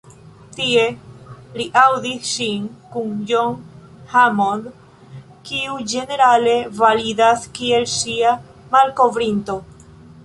Tie li aŭdis ŝin kun John Hammond, kiu ĝenerale validas kiel ŝia „malkovrinto“.